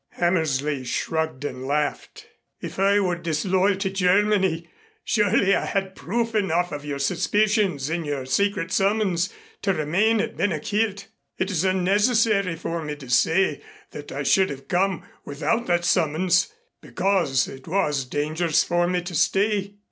Hammersley shrugged and laughed. "If I were disloyal to Germany, surely I had proof enough of your suspicions in your secret summons, to remain at Ben a Chielt. It is unnecessary for me to say that I should have come without that summons, because it was dangerous for me to stay."